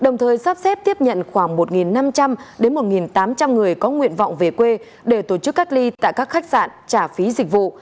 nhận khoảng một năm trăm linh đến một tám trăm linh người có nguyện vọng về quê để tổ chức cách ly tại các khách sạn trả phí dịch vụ